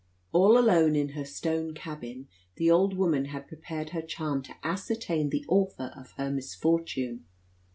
All alone in her stone cabin the old woman had prepared her charm to ascertain the author of her misfortune.